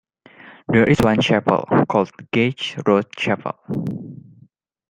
There is one chapel, called Gage Road Chapel.